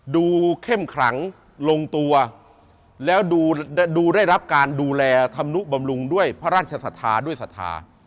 เข้มขลังลงตัวแล้วดูได้รับการดูแลธรรมนุบำรุงด้วยพระราชศรัทธาด้วยศรัทธา